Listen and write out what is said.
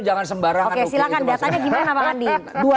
jangan sembarangan silahkan datanya gimana bang andi